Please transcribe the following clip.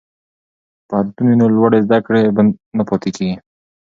که پوهنتون وي نو لوړې زده کړې نه پاتیږي.